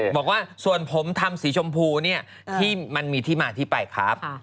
บอกว่าส่วนผมทำสีชมพูเนี่ยที่มันมีที่มาที่ไปครับ